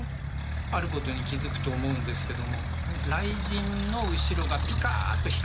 あることに気付くと思うんですけども雷神の後ろがピカッと光っておりますよね。